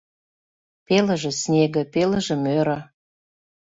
Пелыже снеге, пелыже мӧрӧ.